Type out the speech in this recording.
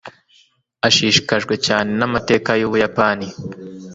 ashishikajwe cyane n'amateka y'ubuyapani